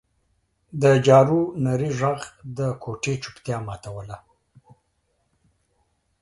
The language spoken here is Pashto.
د جارو نري غږ د کوټې چوپتیا ماتوله.